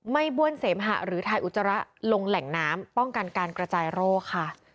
บ้วนเสมหะหรือทายอุจจาระลงแหล่งน้ำป้องกันการกระจายโรคค่ะ